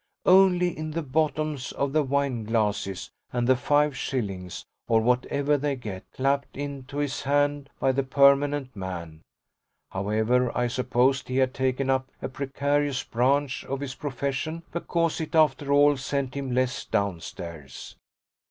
Only in the bottoms of the wine glasses and the five shillings or whatever they get clapped into his hand by the permanent man. However, I supposed he had taken up a precarious branch of his profession because it after all sent him less downstairs.